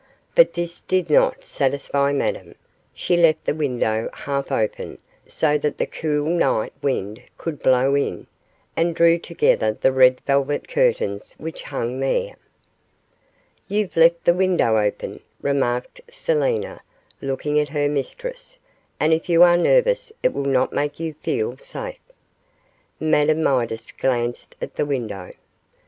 But this did not satisfy Madame; she left the window half open, so that the cool night wind could blow in, and drew together the red velvet curtains which hung there. 'You've left the window open,' remarked Selina, looking at her mistress, 'and if you are nervous it will not make you feel safe.' Madame Midas glanced at the window.